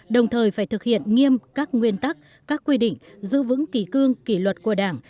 đồng thời phải thực hiện nghiêm các nguyên tắc các quy định giữ vững kỳ cương kỳ luật của đảng